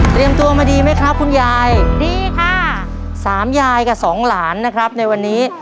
ตัวมาดีไหมครับคุณยายดีค่ะสามยายกับสองหลานนะครับในวันนี้